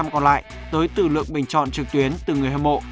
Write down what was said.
năm mươi còn lại tới tử lượng bình chọn trực tuyến từ người hâm mộ